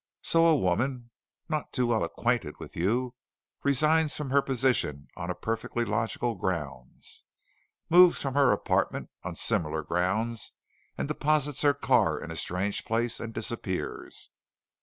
So a woman none too well acquainted with you resigns from her position on a perfectly logical grounds, moves from her apartment on similar grounds, and deposits her car in a strange place and disappears."